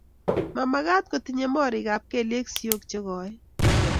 Mamekat kotinyei morikab keliek sioik che koen